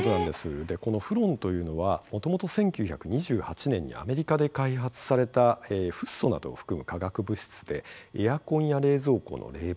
このフロンというのはもともと１９２８年にアメリカで開発されたフッ素などを含む化学物質でエアコンや冷蔵庫の冷媒